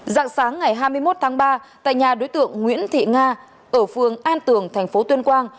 dạng sáng ngày hai mươi một tháng ba tại nhà đối tượng nguyễn thị nga ở phường an tường thành phố tuyên quang